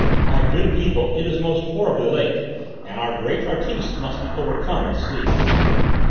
"My good people, it is most horribly late! And our great artiste must be overcome with sleep!"